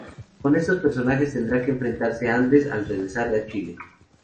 Con estos personajes tendrá que enfrentarse Andes al regresar a Chile.